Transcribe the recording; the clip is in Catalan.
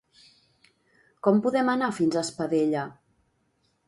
Com podem anar fins a Espadella?